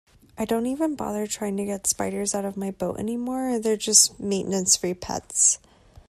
I don't even bother trying to get spiders out of my boat anymore, they're just maintenance-free pets.